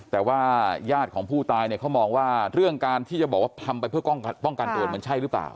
แต่ว่าญาติของผู้ตายเนี่ยเขามองว่าเรื่องการที่จะบอกว่าทำไปเพื่อป้องกันตัวมันใช่หรือเปล่า